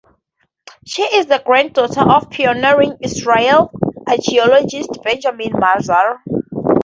She is the granddaughter of pioneering Israeli archaeologist Benjamin Mazar.